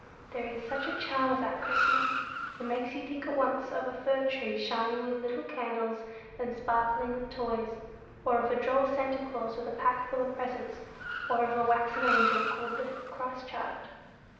There is such a charm about Christmas! It makes you think at once of a fir tree shining with little candles and sparkling with toys, or of a droll Santa Claus with a pack full of presents, or of a waxen angel called the Christ child.